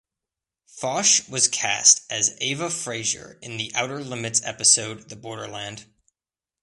Foch was cast as Eva Frazier in the "Outer Limits" episode "The Borderland".